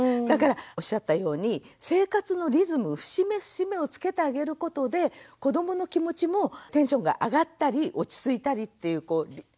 だからおっしゃったように生活のリズム節目節目をつけてあげることで子どもの気持ちもテンションが上がったり落ち着いたりっていうこう。